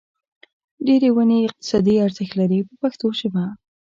ډېرې ونې یې اقتصادي ارزښت لري په پښتو ژبه.